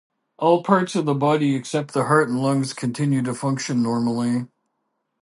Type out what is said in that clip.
All parts of the body except the heart and lungs continue to function normally.